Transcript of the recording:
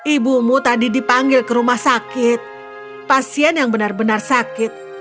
ibumu tadi dipanggil ke rumah sakit pasien yang benar benar sakit